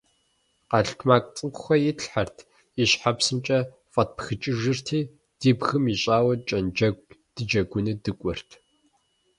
Къэлтмакъ цӀыкӀухэм итлъхьэрт, и щхьэпсымкӀэ фӀэтпхыкӀыжырти, ди бгым ищӏауэ кӀэнджэгу дыджэгуну дыкӀуэрт.